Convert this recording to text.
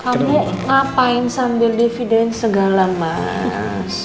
kamu ngapain sambil dividen segala mas